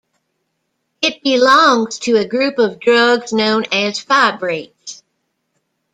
It belongs to a group of drugs known as fibrates.